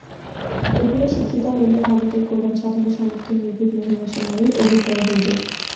এইভাবে শিক্ষিতা হইলে ভারতের কল্যাণসাধনে সমর্থ নির্ভীক মহীয়সী নারীর অভ্যুদয় হইবে।